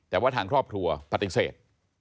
แต่ว่าทางครอบครัวปฏิเสธ